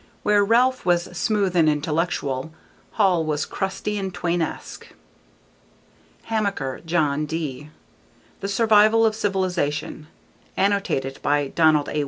Where Ralph was smooth and intellectual, Hall was crusty and Twainesque. Hamaker, John. D. _The Survival of Civilization. _Annotated by Donald A.